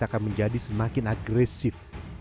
akan menjadi semakin agresif